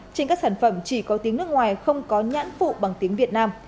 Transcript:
trên các sản phẩm chỉ có tiếng nước ngoài không có nhãn phụ bằng tiếng việt nam